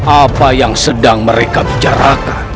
apa yang sedang mereka bicarakan